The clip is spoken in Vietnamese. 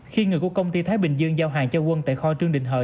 khi người của công ty thái bình dương giao hàng cho quân tại kho trương đình hội